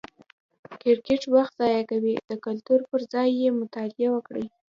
کرکټ وخت ضایع کوي، د کتلو پر ځای یې مطالعه وکړئ!